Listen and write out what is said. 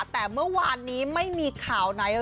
แต่เมื่อวานนี้ไม่มีข่าวไหน